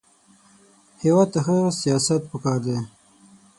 هېواد ته ښه سیاست پکار دی